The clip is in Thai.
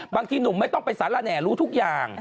บางทีหนุ่มไม่ต้องไปสาระแหน่รู้ทุกอย่าง